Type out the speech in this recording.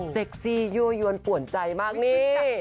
ซี่ยั่วยวนป่วนใจมากนี่